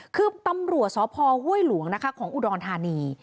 คือตำรวจสพห้วยหลวงนะคะของอุดรธานี